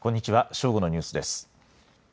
正午のニュースです。